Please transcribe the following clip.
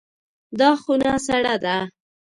دا خونه سړه ده.